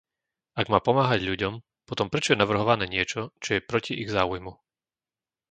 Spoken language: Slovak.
Ak má pomáhať ľuďom, potom prečo je navrhované niečo, čo je proti ich záujmu?